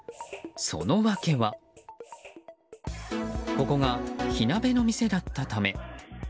その訳はここが火鍋の店だったため。